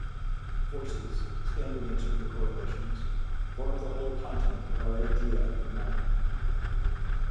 Forces, standing in certain correlations, form the whole content of our idea of matter.